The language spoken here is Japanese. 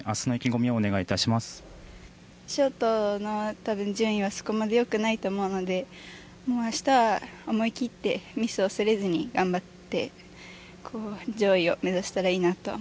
ショートの多分順位はそこまで良くないと思うので明日は思い切ってミスを恐れずに頑張って上位を目指せたらいいなと思います。